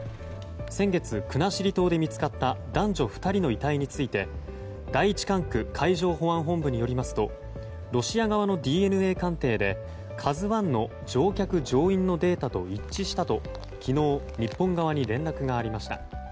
先月、国後島で見つかった男女２人の遺体について第１管区海上保安本部によりますとロシア側のＤＮＡ鑑定で「ＫＡＺＵ１」の乗客・乗員のデータと一致したと昨日、日本側に連絡がありました。